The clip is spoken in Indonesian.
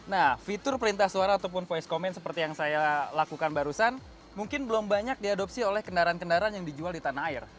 nah fitur perintah suara ataupun voice comment seperti yang saya lakukan barusan mungkin belum banyak diadopsi oleh kendaraan kendaraan yang dijual di tanah air